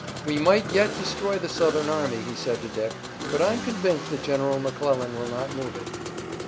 "We might yet destroy the Southern army," he said to Dick, "but I'm convinced that General McClellan will not move it."